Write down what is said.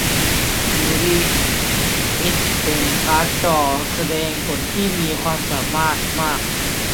ฟิวรี่เอ็กซ์เป็นการ์ดจอแสดงผลที่มีความสามารถมาก